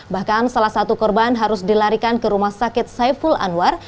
bahkan salah satu korban harus dilarikan ke rumah sakit saiful anwar